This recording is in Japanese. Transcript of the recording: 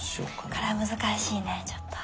これは難しいねちょっと。